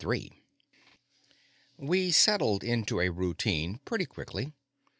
We settled into a routine pretty quickly.